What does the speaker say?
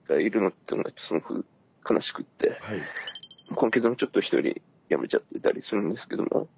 今月もちょっとひとり辞めちゃってたりするんですけども。